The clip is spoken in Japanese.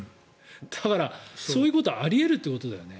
だからそういうことはあり得るということだよね。